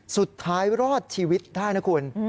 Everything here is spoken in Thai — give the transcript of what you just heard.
สุดท้ายรอดชีวิตได้นะคุณ